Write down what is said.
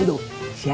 mirip dan anjing iya